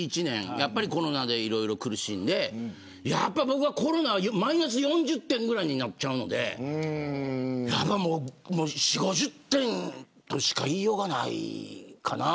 やっぱりコロナでいろいろ苦しんでやっぱ僕はコロナはマイナス４０点ぐらいになっちゃうので４０、５０点としか言いようがないかなあ。